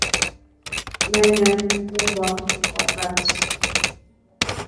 Nyanya nne Ukubwa wa kati